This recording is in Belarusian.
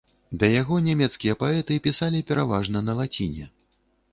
Да яго нямецкія паэты пісалі пераважна на лаціне.